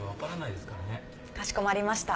かしこまりました。